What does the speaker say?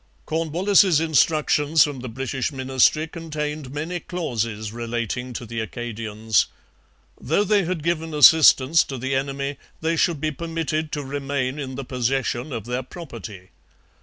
Cornwallis's instructions from the British ministry contained many clauses relating to the Acadians. Though they had given assistance to the enemy, they should be permitted to remain in the possession of their property.